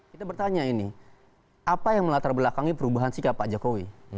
kita bertanya ini apa yang melatar belakangi perubahan sikap pak jokowi